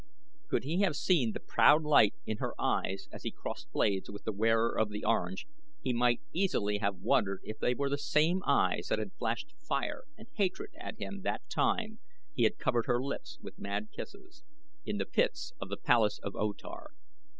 Could he have seen the proud light in her eyes as he crossed blades with the wearer of the Orange, he might easily have wondered if they were the same eyes that had flashed fire and hatred at him that time he had covered her lips with mad kisses, in the pits of the palace of O Tar.